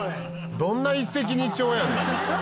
どんな一石二鳥やねん。